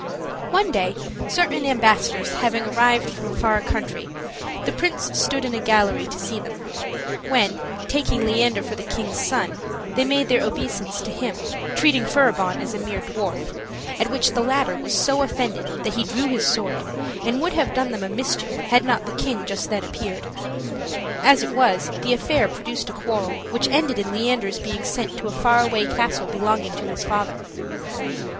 One day, certain ambassadors having arrived from a far country, the prince stood in a gallery to see them; when, taking Leander for the king's son, they made their obeisance to him, treating Furibon as a mere dwarf, at which the latter was so offended that he drew his sword, and would have done them a mischief had not the king just then appeared. As it was, the affair produced a quarrel, which ended in Leander's being sent to a far away castle belonging to his father.